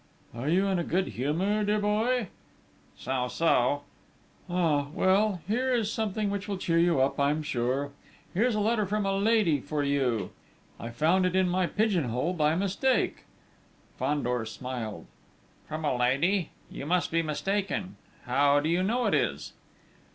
"Are you in a good humour, dear boy?" "So so...." "Ah! Well, here is something which will cheer you up, I'm sure!... Here's a letter from a lady for you.... I found it in my pigeon hole by mistake!" Fandor smiled. "From a lady?... You must be mistaken!... How do you know it is?"